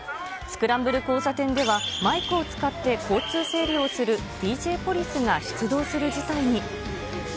スクランブル交差点では、マイクを使って交通整理をする、ＤＪポリスが出動する事態に。